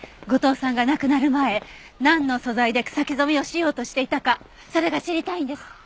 後藤さんが亡くなる前なんの素材で草木染めをしようとしていたかそれが知りたいんです。